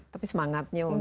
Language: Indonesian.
tapi semangatnya untuk